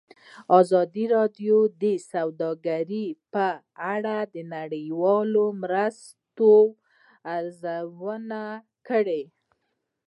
ازادي راډیو د سوداګري په اړه د نړیوالو مرستو ارزونه کړې.